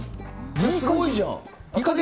すごいじゃん。